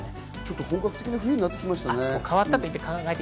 本格的な冬になっていきましたね。